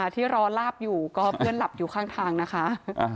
ที่รอลาบอยู่ก็เพื่อนหลับอยู่ข้างทางนะคะ